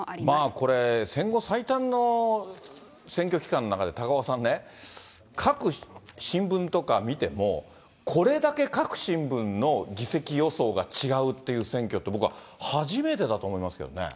これ、戦後最短の選挙期間の中で、高岡さんね、各新聞とか見ても、これだけ各新聞の議席予想が違うっていう選挙って、僕は初めてだと思いますけどね。